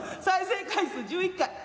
再生回数１１回。